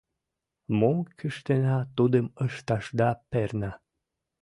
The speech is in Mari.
Мом кӱштена, тудым ышташда перна.